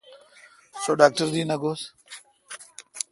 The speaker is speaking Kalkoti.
سو ڈاکٹر دی نہ گھوس۔